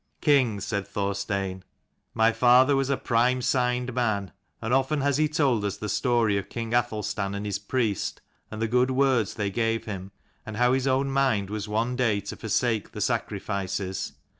188 "King," said Thorstein, "my father was a prime signed man, and often has he told us the story of King Athelstan and his priest, and the good words they gave him, and how his own mind was one day to forsake the sacrifices.